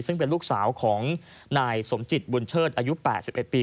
ซึ่งเป็นลูกสาวของนายสมจิตบุญเชิดอายุ๘๑ปี